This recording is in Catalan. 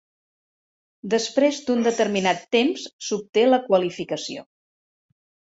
Després d'un determinat temps, s'obté la qualificació.